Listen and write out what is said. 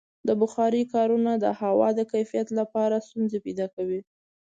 د بخارۍ کارونه د هوا د کیفیت لپاره ستونزې پیدا کوي.